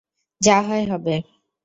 যা হয় হবে।